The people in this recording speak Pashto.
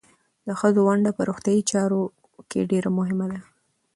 د ښځو ونډه په روغتیايي چارو کې ډېره مهمه ده.